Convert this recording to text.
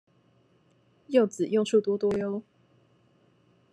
柚子用處多多唷